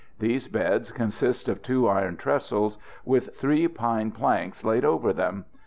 These beds consist of two iron trestles, with three pine planks laid over them.